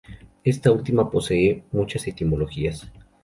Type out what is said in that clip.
Esta última posee muchas etimologías.